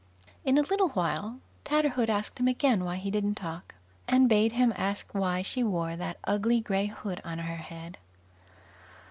In a little while, Tatterhood asked him again why he didn't talk, and bade him ask why she wore that ugly grey hood on her head.